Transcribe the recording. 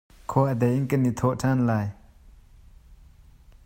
Khua a dei in kan i thawh ṭhan lai.